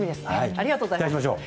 ありがとうございます。